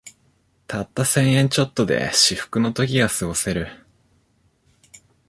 たった千円ちょっとで至福の時がすごせる